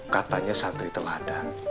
katanya santri telah ada